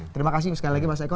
terima kasih sekali lagi mas eko